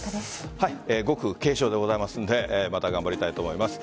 ごく軽症でございますのでまた頑張りたいと思います。